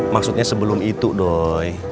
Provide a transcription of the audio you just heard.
maksudnya sebelum itu doy